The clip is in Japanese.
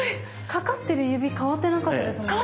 かかってる指変わってなかったですもんね。